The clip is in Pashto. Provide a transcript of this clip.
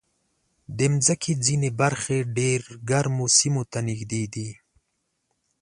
د مځکې ځینې برخې ډېر ګرمو سیمو ته نږدې دي.